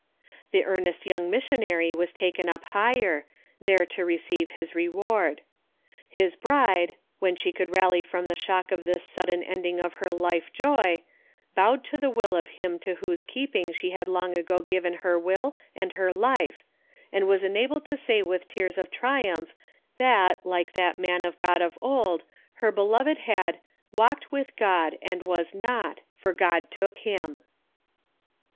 The earnest young missionary was taken up higher, there to receive his reward. His bride, when she could rally from the shock of this sudden ending of her life joy, bowed to the will of him to whose keeping she had long ago given her will and her life, and was enabled to say with tears of triumph that like that man of God of old her beloved had " walked with God and was not, for God took him."